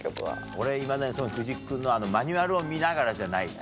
俺いまだに藤木君のマニュアルを見ながらじゃないと。